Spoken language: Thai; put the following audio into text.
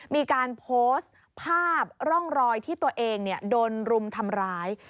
มีการโพสต์ภาพร่องรอยที่ตัวเองโดนรุมทำร้าย